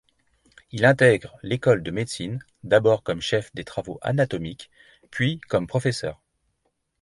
Il intègre l'école de médecine, d'abord comme chef des travaux anatomiques, puis comme professeur.